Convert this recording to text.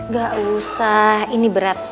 gak usah ini berat